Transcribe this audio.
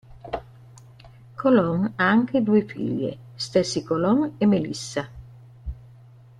Colón ha anche due figlie, Stacy Colón e Melissa.